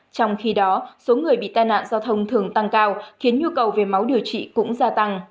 trong khi đó số người bị tai nạn giao thông thường tăng cao khiến nhu cầu về máu điều trị cũng gia tăng